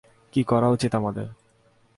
কী করা উচিত আমাদের?